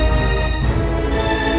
mama ada disini